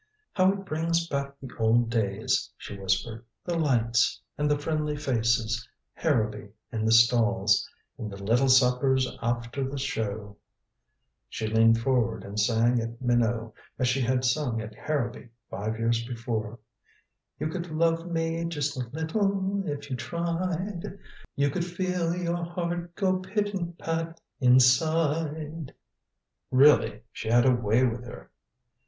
"How it brings back the old days," she whispered. "The lights, and the friendly faces Harrowby in the stalls. And the little suppers after the show " She leaned forward and sang at Minot as she had sung at Harrowby five years before: "You could love me just a little if you tried You could feel your heart go pit a pat inside " Really, she had a way with her!